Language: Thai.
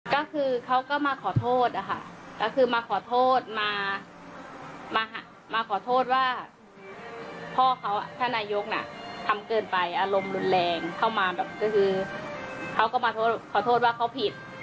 ก็คือเขาก็มาขอโทษนะคะก็คือมาขอโทษมาขอโทษว่าพ่อเขาท่านนายกน่ะทำเกินไปอารมณ์รุนแรงเข้ามาแบบก็คือเขาก็มาขอโทษว่าเขาผิด